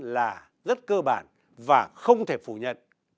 là rất cơ bản và không thể phủ nhận